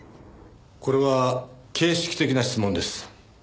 これは形式的な質問です。